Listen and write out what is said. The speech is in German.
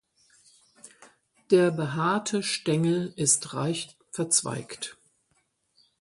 Der behaarte Stängel ist reich verzweigt.